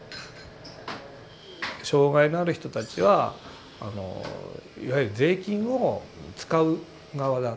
障害のある人たちはあのいわゆる税金を使う側だ。